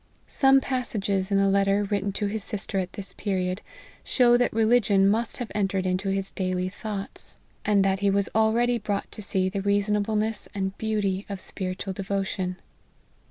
Some passages in a letter written to his sister at this period, show that religion must have entered into his daily thoughts, and that 12 LIFE OF HENRY MARTYN. he was already brought to see the reasonableness and beauty of spiritual devotion.